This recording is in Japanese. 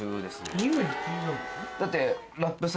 だって。